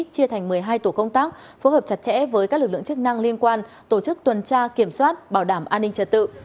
chia thành một mươi hai tổ công tác phối hợp chặt chẽ với các lực lượng chức năng liên quan tổ chức tuần tra kiểm soát bảo đảm an ninh trật tự